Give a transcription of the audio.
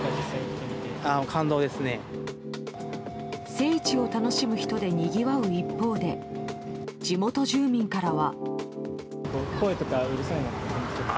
聖地を楽しむ人でにぎわう一方で地元住民からは。